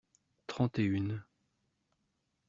Trente et une.